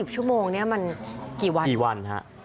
ชั่วโมงนี้มันกี่วันกี่วันฮะ